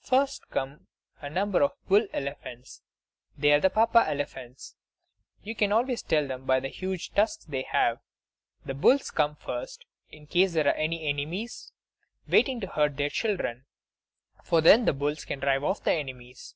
First come a number of bull elephants. They are the Papa elephants; you can always tell them by the huge tusks they have. The bulls come first, in case there are any enemies waiting to hurt their children; for then the bulls can drive off the enemies.